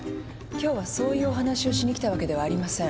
今日はそういうお話をしにきたわけではありません。